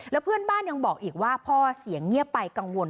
แล้วเพื่อนบ้านยังบอกอีกว่าพ่อเสียงเงียบไปกังวล